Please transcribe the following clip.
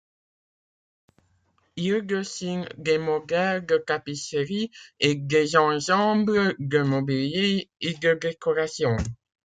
Il dessine des modèles de tapisseries et des ensembles de mobilier et de décorations.